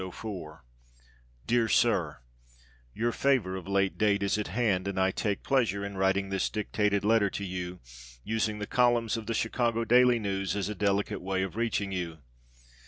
_ DEAR SIR: Your favor of late date is at hand, and I take pleasure in writing this dictated letter to you, using the columns of the Chicago Daily News as a delicate way of reaching you.